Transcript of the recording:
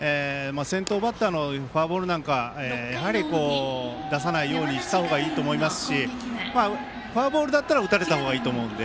先頭バッターのフォアボールは出さないようにしたほうがいいと思いますしフォアボールだったら打たれた方がいいと思うので。